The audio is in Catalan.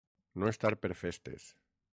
No estar per festes.